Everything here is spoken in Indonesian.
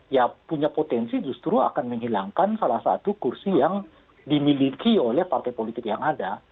ya punya potensi justru akan menghilangkan salah satu kursi yang dimiliki oleh partai politik yang ada